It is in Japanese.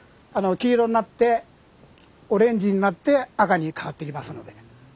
黄色になってオレンジになって赤に変わっていきますので。